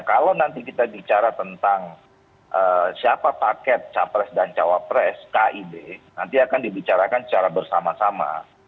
kalau nanti kita bicara tentang siapa paket capres dan cawapres kib nanti akan dibicarakan secara bersama sama